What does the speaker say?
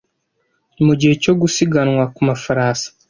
mugihe cyo gusiganwa ku mafarasi